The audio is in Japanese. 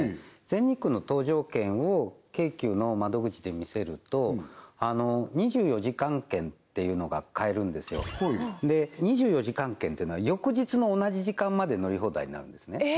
全日空の搭乗券を京急の窓口で見せると２４時間券っていうのが買えるんですよで２４時間券てのは翌日の同じ時間まで乗り放題になるんですね